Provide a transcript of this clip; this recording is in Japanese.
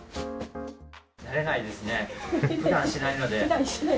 慣れないですね、ふだんしないので。